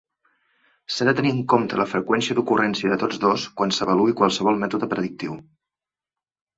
S'ha de tenir en compte la freqüència d'ocurrència de tots dos quan s'avaluï qualsevol mètode predictiu.